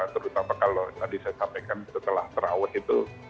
terutama kalau tadi saya sampaikan setelah terawih itu